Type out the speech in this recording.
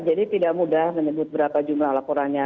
jadi tidak mudah menyebut berapa jumlah laporannya